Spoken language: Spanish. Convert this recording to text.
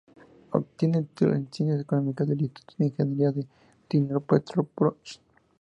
Obtiene el título en ciencias económicas del Instituto de Ingeniería de Dnipropetrovsk.